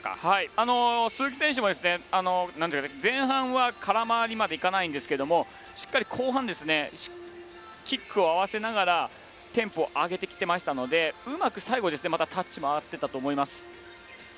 鈴木選手も前半は空回りまではいかないんですがしっかり後半キックを合わせながらテンポを上げてきていましたので最後タッチも合っていました。